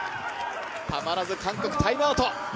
たまらず韓国タイムアウト。